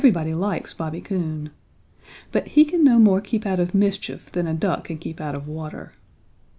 Everybody likes Bobby Coon. But he can no more keep out of mischief than a duck can keep out of water.